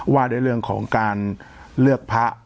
ว่าด้วยเรื่องของการเลือกพระ